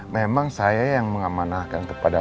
memang saya yang mengamanahkan kepada